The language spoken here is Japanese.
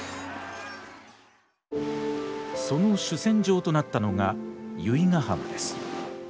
その主戦場となったのが由比ヶ浜です。